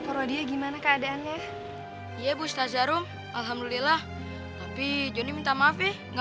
poro dia gimana keadaannya iya busta zarum alhamdulillah tapi johnny minta maaf eh enggak